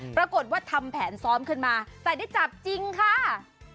ปรากฏว่าทำแผนซ้อมขึ้นมาแต่ได้จับจริงค่ะ